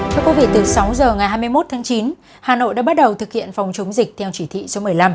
thưa quý vị từ sáu giờ ngày hai mươi một tháng chín hà nội đã bắt đầu thực hiện phòng chống dịch theo chỉ thị số một mươi năm